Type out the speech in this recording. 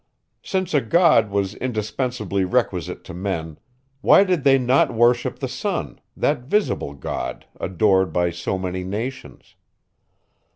Since a God was indispensably requisite to men, why did they not worship the Sun, that visible God, adored by so many nations?